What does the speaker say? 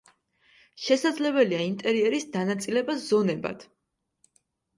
შესაძლებელია ინტერიერის დანაწილება ზონებად.